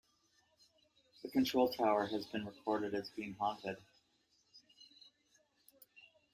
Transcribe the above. The control tower has been recorded as being haunted.